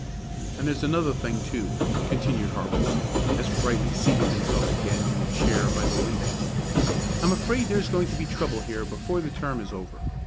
"And there's another thing, too," continued Harple, as Brightly seated himself again in the chair by the window. "I'm afraid there's going to be trouble here before the term is over.